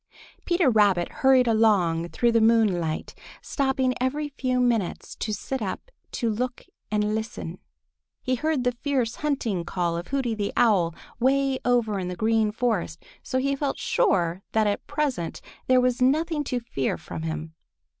Peter Rabbit hurried along through the moonlight, stopping every few minutes to sit up to look and listen. He heard the fierce hunting call of Hooty the Owl way over in the Green Forest, so he felt sure that at present there was nothing to fear from him.